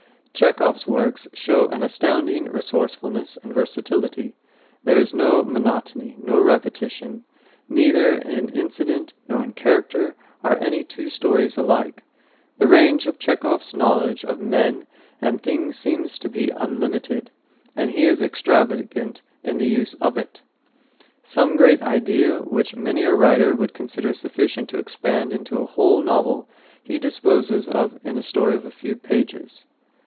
Chekhov's works show an astounding resourcefulness and versatility. There is no monotony, no repetition. Neither in incident nor in character are any two stories alike. The range of Chekhov's knowledge of men and things seems to be unlimited, and he is extravagant in the use of it. Some great idea which many a writer would consider sufficient to expand into a whole novel he disposes of in a story of a few pages.